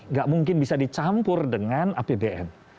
nggak mungkin bisa dicampur dengan apbn